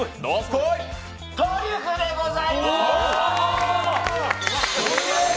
トリュフでございます。